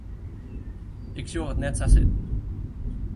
Ik sjoch it net sa sitten.